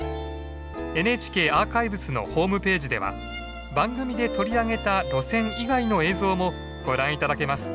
ＮＨＫアーカイブスのホームページでは番組で取り上げた路線以外の映像もご覧頂けます。